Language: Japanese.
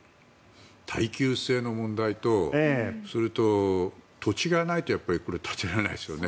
耐久性の問題とそれと土地がないとこれは建てられないですよね。